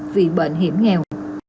vì bệnh hiểm nghèo